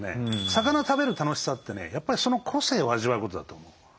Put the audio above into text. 魚食べる楽しさってねやっぱりその個性を味わうことだと思う。